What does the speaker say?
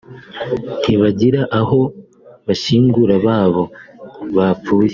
ntibagira aho bashyingura ababo bapfuye